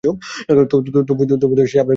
তবু সে আব্দার করিয়া বলিল, আবার খুঁকি কেন?